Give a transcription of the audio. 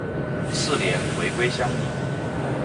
次年回归乡里。